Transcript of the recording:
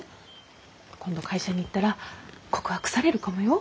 今度会社に行ったら告白されるかもよ？